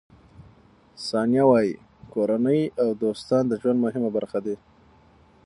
ثانیه وايي، کورنۍ او دوستان د ژوند مهمه برخه دي.